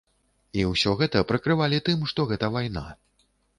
І ўсё гэта прыкрывалі тым, што гэта вайна.